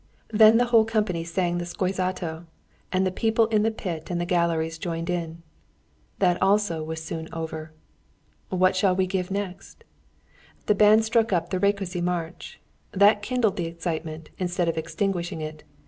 Then the whole company sang the "Szózato," and the people in the pit and the galleries joined in. That also was soon over. What shall we give next? The band struck up the Rákóczy march. That kindled the excitement, instead of extinguishing it.